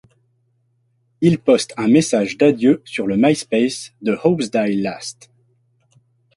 Il poste un message d'adieu sur le Myspace de Hopes Die Last.